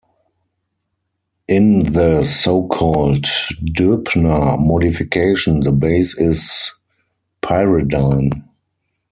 In the so-called Doebner modification the base is pyridine.